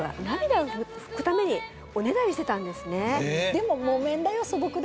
でも。